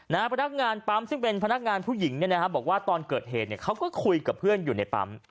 พนักงานปั๊มซึ่งเป็นพนักงานผู้หญิงเนี่ยนะฮะบอกว่าตอนเกิดเหตุเนี่ยเขาก็คุยกับเพื่อนอยู่ในปั๊ม